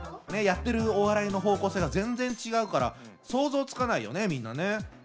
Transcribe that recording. やってるお笑いの方向性が全然違うから想像つかないよねみんなね。